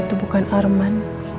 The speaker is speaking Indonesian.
itu bukan arman